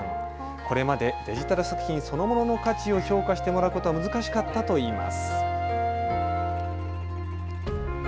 これまでデジタル作品そのものの価値を評価してもらうことは難しかったといいます。